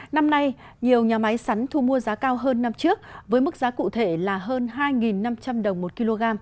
năm nay nhiều nhà máy sắn thu mua giá cao hơn năm trước với mức giá cụ thể là hơn hai năm trăm linh đồng một kg